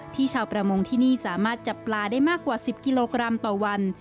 ชาวประมงที่นี่สามารถจับปลาได้มากกว่า๑๐กิโลกรัมต่อวัน